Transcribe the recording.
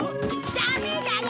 ダメだよ！